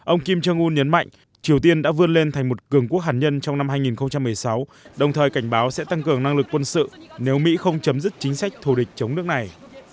ông kim jong un nhấn mạnh triều tiên đã vươn lên thành một cường quốc hàn nhân trong năm hai nghìn một mươi sáu đồng thời cảnh báo sẽ tăng cường năng lực quân sự nếu mỹ không chấm dứt chính sách thù địch chống nước này